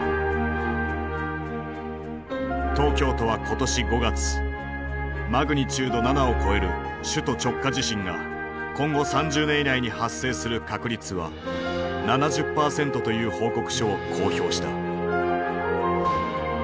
東京都は今年５月マグニチュード７を超える首都直下地震が今後３０年以内に発生する確率は７０％という報告書を公表した。